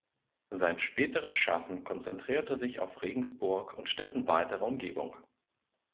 Sein späteres Schaffen konzentrierte sich auf Regensburg und dessen weitere Umgebung.